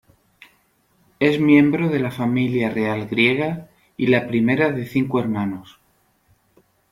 Es miembro de la Familia Real Griega y la primera de cinco hermanos.